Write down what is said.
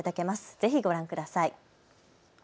ぜひご覧ください。